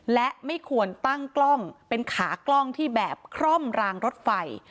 และไม่ควรตั้งกล้องเป็นขากล้องที่แบบคร่อมรางรถไฟ